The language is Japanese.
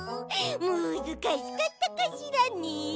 むずかしかったかしらね？